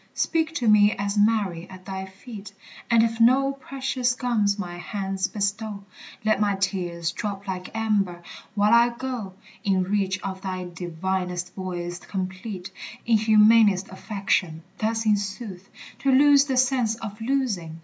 Speak to me as Mary at thy feet And if no precious gums my hands bestow, Let my tears drop like amber, while I go In reach of thy divinest voice complete In humanest affection thus in sooth, To lose the sense of losing!